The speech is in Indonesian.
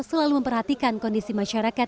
selalu memperhatikan kondisi masyarakat